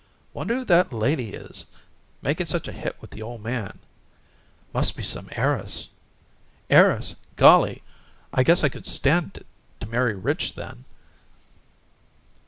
"Wonder who that lady is makin' such a hit with the old man." "Must be some heiress." "Heiress? Golly, I guess I could stand it to marry rich, then!"